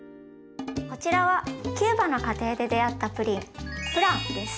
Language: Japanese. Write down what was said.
こちらはキューバの家庭で出会ったプリンフランです。